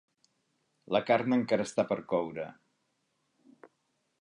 La carn encara està per coure.